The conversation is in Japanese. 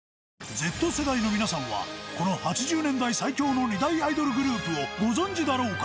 Ｚ世代の皆さんはこの８０年代最強の２大アイドルグループをご存じだろうか？